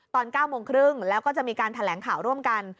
ตอน๙โมงครึ่งแล้วก็จะมีการแถลงข่าวร่วมกัน